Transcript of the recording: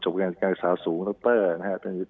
จบการศึกษาสูงดรนะครับ